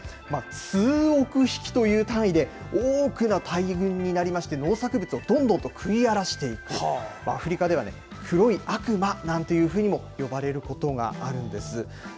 数億匹という単位で多くの大群になりまして、農作物をどんどんと食い荒らしていって、アフリカでは黒い悪魔なんていうふうにも呼ばれることがあるんです。